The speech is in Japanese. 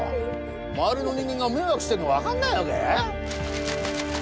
周りの人間が迷惑してんの分かんないわけ？